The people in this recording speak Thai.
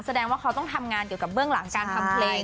แสดงว่าเขาต้องทำงานเกี่ยวกับเบื้องหลังการทำเพลง